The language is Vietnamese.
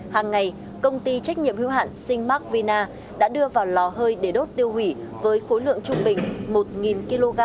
hàng ngày công ty trách nhiệm hữu hạn sinh mark vina đã đưa vào lò hơi để đốt tiêu hủy với khối lượng trung bình một kg một ngày